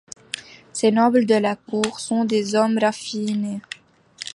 Ces nobles de la cour sont des hommes raffinés!